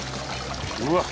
うわっ！